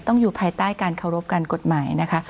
อยู่ภายใต้การเคารพการกฎหมายนะคะ